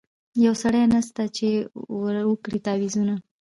یو سړی نسته چي ورکړي تعویذونه